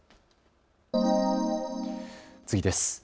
次です。